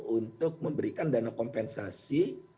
untuk memberikan dana kompensasi